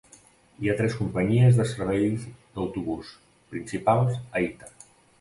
Hi han tres companyies de servei d'autobús principals a Hita.